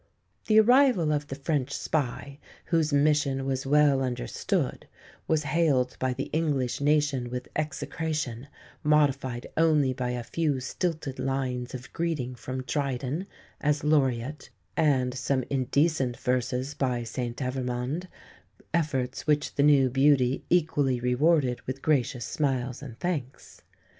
The arrival of the "French spy," whose mission was well understood, was hailed by the English nation with execration, modified only by a few stilted lines of greeting from Dryden, as laureate, and some indecent verses by St Evremond efforts which the new beauty equally rewarded with gracious smiles and thanks.